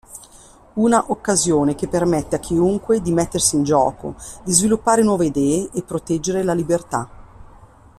Una occasione che permette a chiunque di mettersi in gioco, di sviluppare nuove idee e proteggere la libertà.